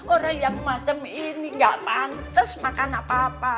orang yang macam ini enggak pantes makan apa apa